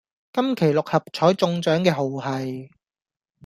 今期六合彩中獎嘅號係